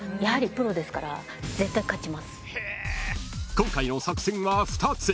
［今回の作戦は２つ。